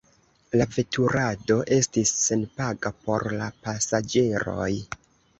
La veturado estis senpaga por la pasaĝeroj.